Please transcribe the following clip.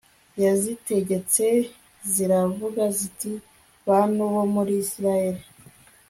yazitegetse ziravuga ziti bantu bo muri Isirayeli